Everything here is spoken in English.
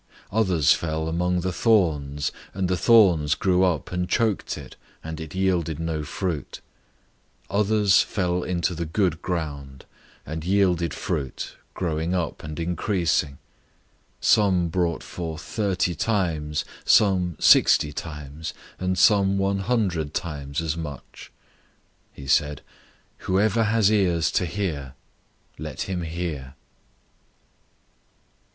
004:007 Others fell among the thorns, and the thorns grew up, and choked it, and it yielded no fruit. 004:008 Others fell into the good ground, and yielded fruit, growing up and increasing. Some brought forth thirty times, some sixty times, and some one hundred times as much." 004:009 He said, "Whoever has ears to hear, let him hear."